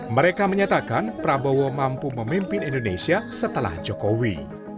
mereka menyatakan prabowo mampu memimpin indonesia setelah jokowi